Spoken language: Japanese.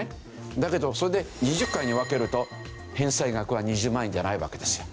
だけどそれで２０回に分けると返済額は２０万円じゃないわけですよ。